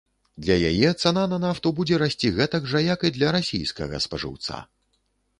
Для яе цана на нафту будзе расці гэтак жа, як і для расійскага спажыўца.